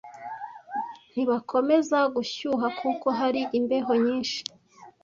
ntibakomeza gushyuha kuko hari imbeho nyinshi